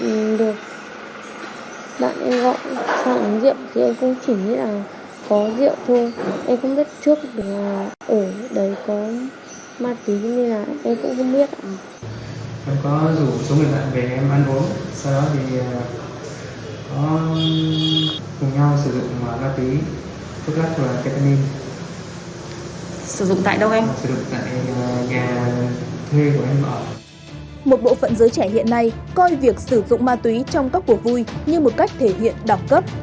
một bộ phận giới trẻ hiện nay coi việc sử dụng ma túy trong các cuộc vui như một cách thể hiện đẳng cấp